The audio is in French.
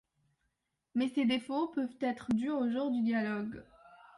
Mais ces défauts peuvent être dus au genre du dialogue.